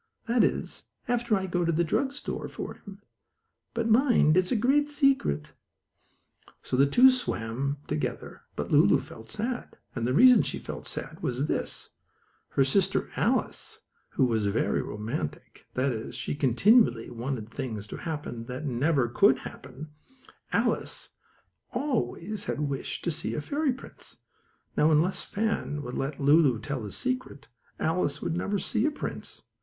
That is, after I go to the drug store for him. But mind, it's a great secret." So the two swam on together, but Lulu felt sad. And the reason she felt sad was this: Her sister Alice, who was very romantic that is, she continually wanted things to happen that never could happen Alice always had wished to see a fairy prince. Now, unless Fan would let Lulu tell the secret, Alice would never see a prince.